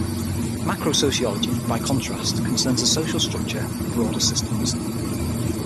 Macrosociology, by contrast, concerns the social structure and broader systems.